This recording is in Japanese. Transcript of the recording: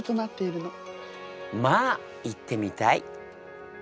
まあ行ってみたい。